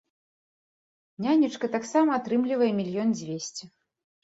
Нянечка таксама атрымлівае мільён дзвесце.